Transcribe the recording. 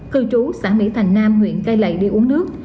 cư trú xã mỹ thành nam huyện cai lầy đi uống nước